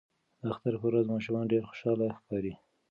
د اختر په ورځ ماشومان ډیر خوشاله ښکاري.